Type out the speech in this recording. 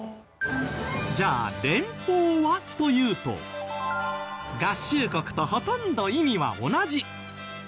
じゃあ連邦はというと合衆国とほとんど意味は同じ。